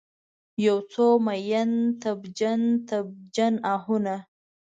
یوڅو میین، تبجن، تبجن آهونه